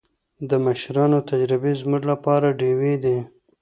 د مشرانو تجربې زموږ لپاره ډېوې دي.